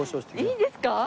いいんですか？